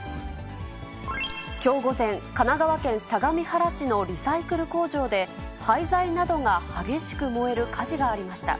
きょう午前、神奈川県相模原市のリサイクル工場で、廃材などが激しく燃える火事がありました。